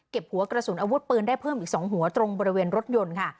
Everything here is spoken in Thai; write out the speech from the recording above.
หัวกระสุนอาวุธปืนได้เพิ่มอีก๒หัวตรงบริเวณรถยนต์ค่ะ